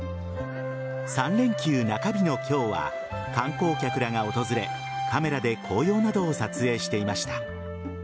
３連休中日の今日は観光客らが訪れ、カメラで紅葉などを撮影していました。